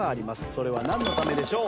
それはなんのためでしょう？